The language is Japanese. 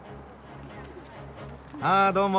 あどうも。